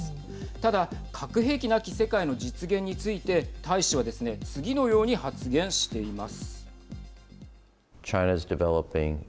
ただ、核兵器なき世界の実現について大使はですね次のように発言しています。